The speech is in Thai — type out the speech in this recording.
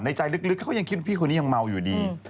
ใจลึกเขายังคิดว่าพี่คนนี้ยังเมาอยู่ดี